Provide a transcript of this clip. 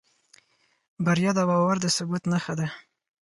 بریا د باور د ثبوت نښه ده.